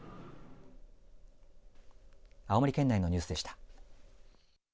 青森県内のニュースでした。